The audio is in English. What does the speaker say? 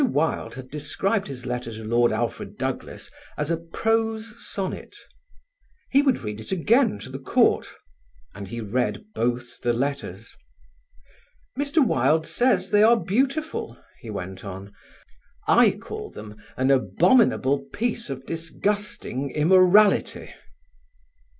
Wilde had described his letter to Lord Alfred Douglas as a prose sonnet. He would read it again to the court, and he read both the letters. "Mr. Wilde says they are beautiful," he went on, "I call them an abominable piece of disgusting immorality."